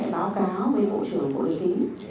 báo cáo với bộ trưởng bộ chính